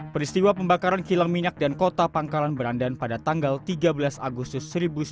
peristiwa pembakaran kilang minyak dan kota pangkalan berandan pada tanggal tiga belas agustus seribu sembilan ratus empat puluh